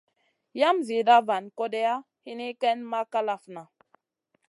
Yam zida van kodeya hini ken ma kalafna.